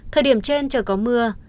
thời điểm trên trời có mưa